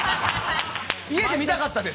家で見たかったです。